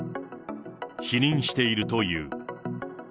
否認しているという。